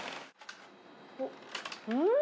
おっ、うん？